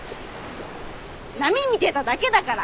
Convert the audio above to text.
波見てただけだから。